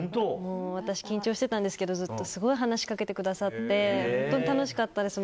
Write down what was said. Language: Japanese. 私、緊張してたんですけど話しかけてくださって本当に楽しかったです。